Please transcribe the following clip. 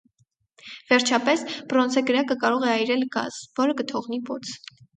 Վերջապես, բրոնզե կրակը կարող է այրել գազ, որը կթողնի բոց։